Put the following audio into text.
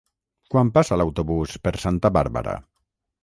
Quan passa l'autobús per Santa Bàrbara?